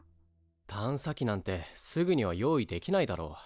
探査機なんてすぐには用意できないだろ。